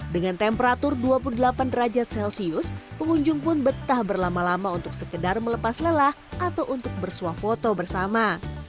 dengan temperatur dua puluh delapan derajat celcius pengunjung pun betah berlama lama untuk sekedar melepas lelah atau untuk bersuah foto bersama